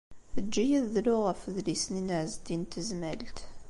Eǧǧ-iyi ad dluɣ ɣef udlis-nni n Ɛezdin n Tezmalt.